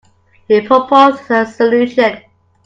He proposed a solution.